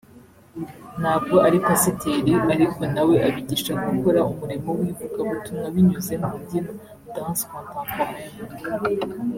ntabwo ari Pasiteri ariko na we abigisha gukora umurimo w’ivugabutumwa binyuze mu mbyino [danse contemporaine]